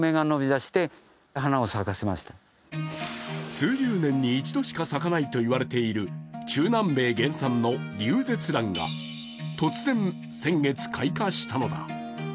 数十年に１度しか咲かないとされている中南米原産のリュウゼツランが突然、先月開花したのだ。